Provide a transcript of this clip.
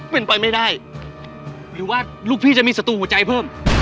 เป็นไปไม่ได้หรือว่าลูกพี่จะมีศัตรูหัวใจเพิ่ม